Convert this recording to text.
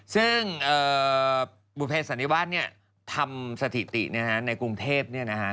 ซึ่งบุญเพศสันนิวัฒน์ทำสถิติในกรุงเทพฯ๒๒๖